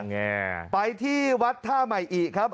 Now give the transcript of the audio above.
อ่านแงไปที่วัดถ้าไหม่อีครับ